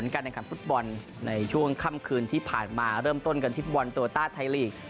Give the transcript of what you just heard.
การแข่งขันฟุตบอลในช่วงค่ำคืนที่ผ่านมาเริ่มต้นกันที่ฟุตบอลโตต้าไทยลีก